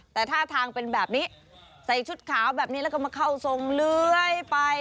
แต่ท่าทางเป็นแบบนี้ใส่ชุดขาวแบบนี้แล้วก็มาเข้าทรงเลื้อยไป